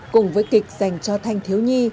cùng với kịch dành cho thanh thiếu nhi